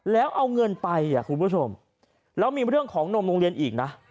แล้วเอาเงินไปคุณผู้ชมแล้วมีเรื่องของนมโรงเรียนอีกนะ